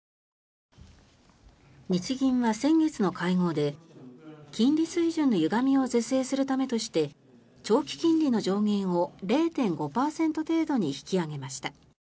日銀は先月の会合で金利水準のゆがみを是正するためとして長期金利の上限を０．５％程度に引き上げました。